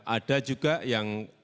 ada juga yang